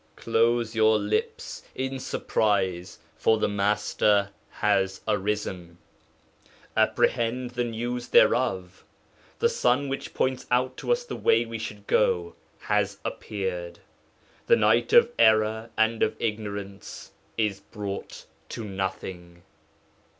Close your lips [in surprise], for the Master has arisen; apprehend the news thereof. The sun which points out to us the way we should go, has appeared; the night of error and of ignorance is brought to nothing.'